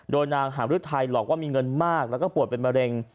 โดยนางหามรุทัยหลอกว่ามีเงินมากแล้วก็ปวดเป็นมะเร็ง